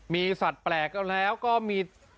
มีสัตว์แปลกแล้วก็มี